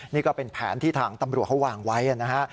นี่ก็เป็นแผนที่ทางตำรวจเขาวางไว้นะฮะ